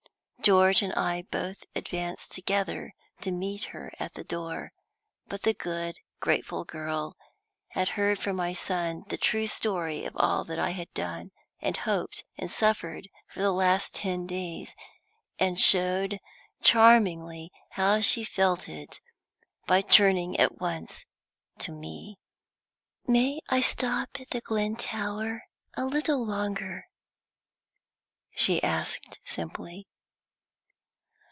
George and I both advanced together to meet her at the door. But the good, grateful girl had heard from my son the true story of all that I had done, and hoped, and suffered for the last ten days, and showed charmingly how she felt it by turning at once to me. "May I stop at the Glen Tower a little longer?" she asked, simply.